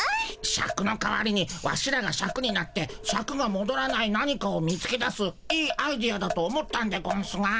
シャクの代わりにワシらがシャクになってシャクがもどらない何かを見つけ出すいいアイデアだと思ったんでゴンスが。